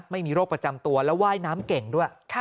ไม่มีโรคประจำตัวแล้วว่ายน้ำเก่งด้วย